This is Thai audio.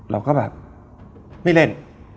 เราก็แบบไม่เล่น